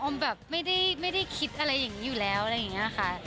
แบบไม่ได้คิดอะไรอย่างนี้อยู่แล้วอะไรอย่างนี้ค่ะ